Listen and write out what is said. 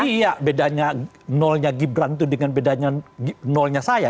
iya bedanya nolnya gibran itu dengan bedanya nolnya saya